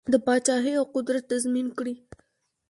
دا پاچهي او قدرت تضمین کړي.